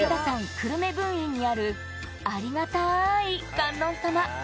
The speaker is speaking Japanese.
久留米分院にあるありがたい観音様。